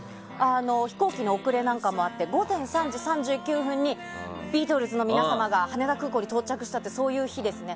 飛行機の遅れなんかもあって午前３時３９分にビートルズの皆様が羽田空港に到着したっていう日ですね。